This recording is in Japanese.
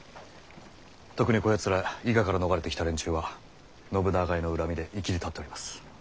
特にこやつら伊賀から逃れてきた連中は信長への恨みでいきりたっております。